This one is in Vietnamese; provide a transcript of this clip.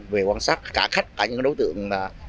về quan sát cả khách cả những đối tượng